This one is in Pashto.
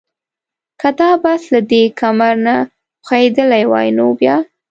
که دا بس له دې کمر نه ښویېدلی وای نو بیا؟